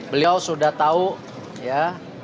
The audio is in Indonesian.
beliau sudah tahu ya